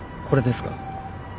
これですか？